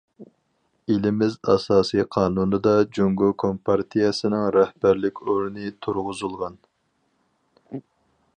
ئېلىمىز ئاساسىي قانۇنىدا جۇڭگو كومپارتىيەسىنىڭ رەھبەرلىك ئورنى تۇرغۇزۇلغان.